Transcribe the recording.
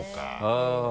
うん。